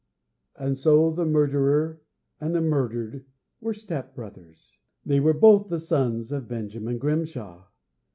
And so the murderer and the murdered were step brothers! They were both the sons of Benjamin Grimshaw!